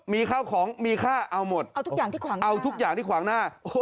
มีข้าวของมีค่าเอาหมดเอาทุกอย่างที่ขวางหน้า